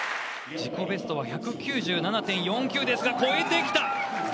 自己ベストは１９７．４９ですが超えてきた！